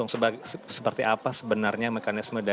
untuk menanyakan langsung seperti apa sebenarnya mekanisme darah